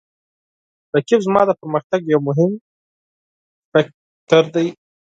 رقیب زما د پرمختګ یو مهم فکتور دی